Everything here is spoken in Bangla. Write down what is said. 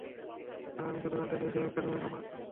স্যার, আমি শুধু জানতে চাই, এখানে অপরাধী কে?